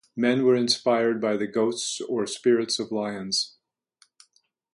Men were inspired by the ghosts or spirits of lions.